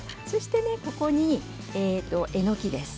ここにえのきです。